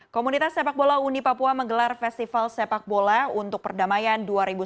komunitas sepak bola uni papua menggelar festival sepak bola untuk perdamaian dua ribu sembilan belas